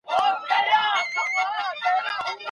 سپین سرې وویل چې د انارګل مېنه به په مېلمنو اباده وي.